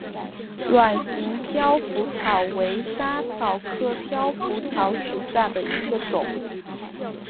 卵形飘拂草为莎草科飘拂草属下的一个种。